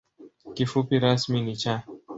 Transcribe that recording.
Kifupi rasmi ni ‘Cha’.